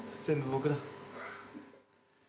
全部僕だ。